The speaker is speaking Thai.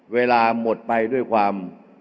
เวลาหมดไปด้วยความ